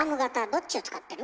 どっちを使ってる？